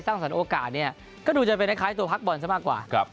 สรรโอกาสเนี่ยก็ดูจะเป็นคล้ายตัวพักบอลซะมากกว่า